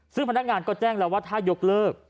ซึ่งพนักงานก็แจ้งแล้วว่าถ้ายกเลิก